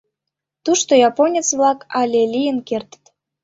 Тушто японец-влак але лийын кертыт.